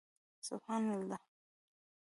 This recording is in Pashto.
سبحان الله